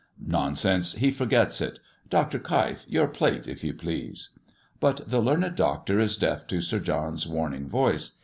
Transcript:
"Nonsense, he forgets it. Dr. Keif, your plate, if you please." But the learned Doctor is deaf to Sir John's warning voice.